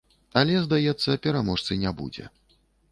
Але, здаецца, пераможцы не будзе.